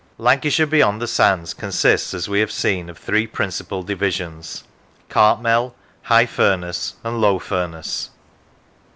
Lancashire beyond the sands consists, as we have seen, of three principal divisions: Cartmel, High Furness, and Low Furness.